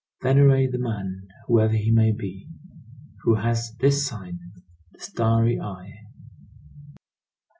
Venerate the man, whoever he may be, who has this sign—the starry eye.